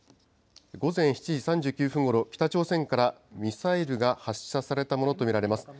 午前７時３９分ごろ、北朝鮮からミサイルが発射されたものと見られます。